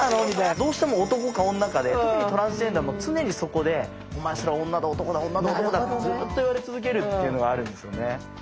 どうしても男か女かで特にトランスジェンダーは常にそこでお前それは女だ男だ女だ男だってずっと言われ続けるっていうのがあるんですよね。